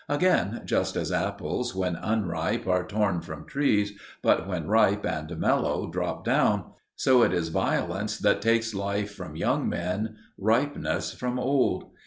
Again, just as apples when unripe are torn from trees, but when ripe and mellow drop down, so it is violence that takes life from young men, ripeness from old.